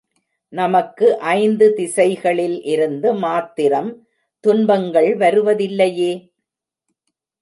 நமக்கு ஐந்து திசைகளில் இருந்து மாத்திரம் துன்பங்கள் வருவதில்லையே.